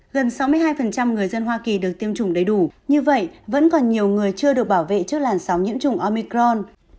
gần sáu mươi hai người dân hoa kỳ được tiêm chủng đầy đủ như vậy vẫn còn nhiều người chưa được bảo vệ trước làn sóng nhiễm trùng omicron